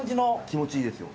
気持ちいいですよ。